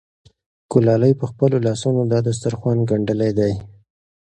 ګلالۍ په خپلو لاسونو دا دسترخوان ګنډلی دی.